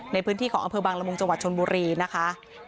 ในพื้นที่ของอำเภอบางละมงจชนบุรีนะคะ